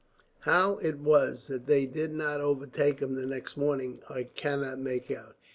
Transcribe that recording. "How it was that they did not overtake him the next morning, I cannot make out.